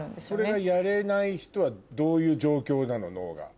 それがやれない人はどういう状況なの？